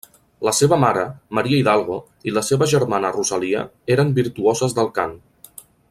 La seva mare, Maria Hidalgo, i la seva germana Rosalia eren virtuoses del cant.